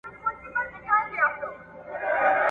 د ډنډ ترڅنګ د ږدن او مڼې ځای ړنګیږي.